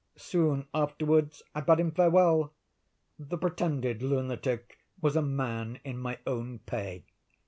Soon afterwards I bade him farewell. The pretended lunatic was a man in my own pay."